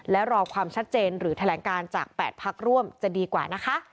และรอความชัดเจนหรือแถลงการจาก๘พักร่วมจะดีกว่านะคะ